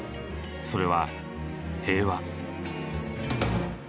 それは平和。